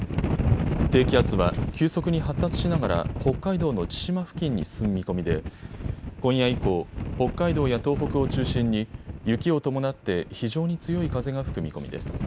低気圧は急速に発達しながら北海道の千島付近に進む見込みで今夜以降、北海道や東北を中心に雪を伴って非常に強い風が吹く見込みです。